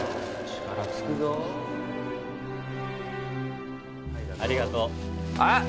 力つくぞありがとうあっ！